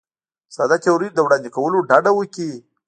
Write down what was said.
ساده تیورۍ له وړاندې کولو ډډه وکړي.